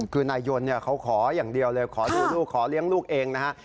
คือนายยนต์เขาขออย่างเดียวเลยขอดูลูกขอเลี้ยงลูกเองนะฮะ